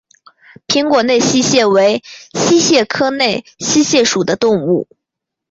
平果内溪蟹为溪蟹科内溪蟹属的动物。